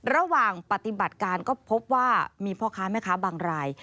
ระหว่างปฏิบัติการก็พบว่ามีพ่อค้าแม่ค้าบางราย